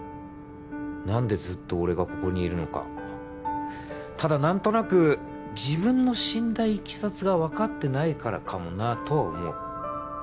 何でずっと俺がここにいるのかただ何となく自分の死んだいきさつが分かってないからかもなとは思う